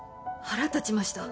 腹立ちました。